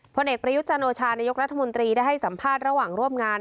ผลเอกประยุทธ์จันโอชานายกรัฐมนตรีได้ให้สัมภาษณ์ระหว่างร่วมงาน